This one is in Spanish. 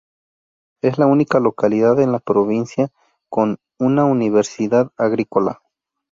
Es la única localidad en la provincia con una universidad agrícola.